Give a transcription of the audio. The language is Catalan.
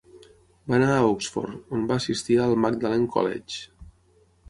Va anar a Oxford, on va assistir al Magdalen College.